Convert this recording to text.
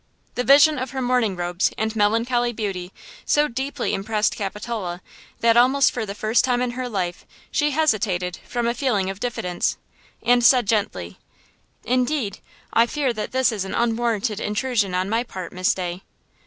The vision of her mourning robes and melancholy beauty so deeply impressed Capitola that, almost for the first time in her life, she hesitated from a feeling of diffidence, and said gently: "Indeed, I fear that this is an unwarranted intrusion on my part, Miss Day."